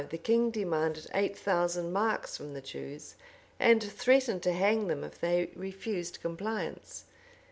In 1255, the king demanded eight thousand marks from the Jews, and threatened to hang them if they refused compliance.